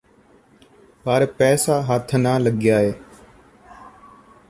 ਪਰ ਪੈਸਾ ਹੱਥ ਨਾ ਲੱਗਿਆ ਏ